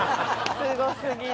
すごすぎる。